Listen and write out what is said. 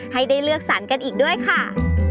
ให้ได้เลือกสรรกันอีกด้วยค่ะ